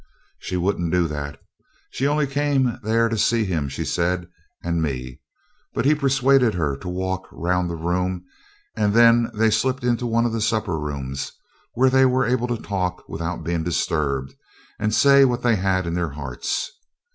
She wouldn't do that. She only came there to see him, she said, and me; but he persuaded her to walk round the room, and then they slipped into one of the supper rooms, where they were able to talk without being disturbed, and say what they had in their hearts.